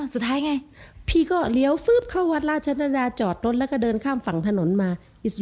สุดท้ายไงพี่ก็เลี้ยวฟึ๊บเข้าวัดราชดาจอดรถแล้วก็เดินข้ามฝั่งถนนมา